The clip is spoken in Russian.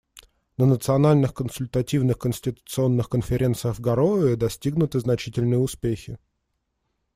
На национальных консультативных конституционных конференциях в Гароуэ достигнуты значительные успехи.